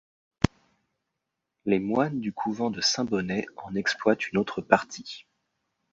Les moines du couvent de Saint-Bonnet en exploitent une autre partie.